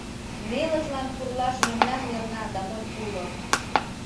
Нелыжлан пурлаш мемнан мелна да монь уло.